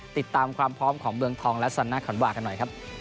ติดตามความพร้อมของเมืองทองและสันน่าขันวากันหน่อยครับ